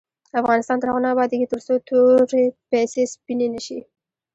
افغانستان تر هغو نه ابادیږي، ترڅو توري پیسې سپینې نشي.